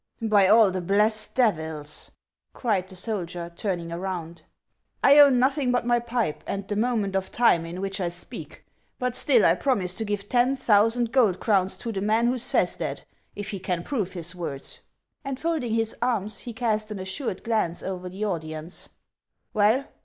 " By all the blessed devils !" cried the soldier, turning around, " I own nothing but my pipe and the moment of HANS OF ICELAND. 473 time in which I speak; but still I promise to give ten thousand gold crowns to the man who says that, if he can prove his words." And folding his arms, he cast an assured glance over the audience: "Well!